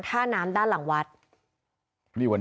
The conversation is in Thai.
เมื่อวานแบงค์อยู่ไหนเมื่อวาน